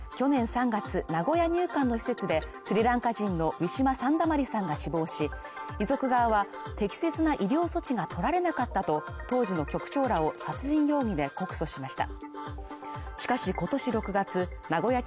去年３月名古屋入管の施設でスリランカ人のウィシュマ・サンダマリさんが死亡し遺族側は適切な医療措置が取られなかったと当時の局長らを殺人容疑で告訴しました